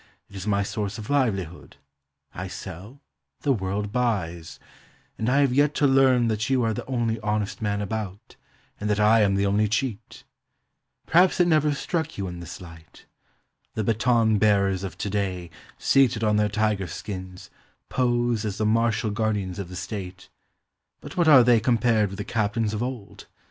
It is my source of livelihood. I sell: the world buys. And I have yet to learn that you are the only honest man about, and that I am the only cheat. Perhaps it never struck you in this light. The baton bearers of to day, seated on their tiger skins, pose as the martial guardians of the state ; but what are they compared with the captains of old?